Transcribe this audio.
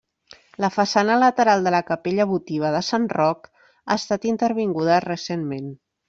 La façana lateral de la capella votiva de Sant Roc ha estat intervinguda recentment.